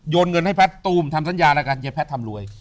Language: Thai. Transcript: เงินให้แพทย์ตูมทำสัญญารายการเย้แพทย์ทำรวย